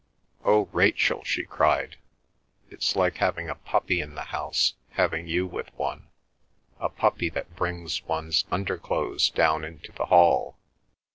"Oh, Rachel," she cried. "It's like having a puppy in the house having you with one—a puppy that brings one's underclothes down into the hall."